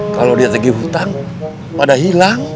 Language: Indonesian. kalau dia segi hutang pada hilang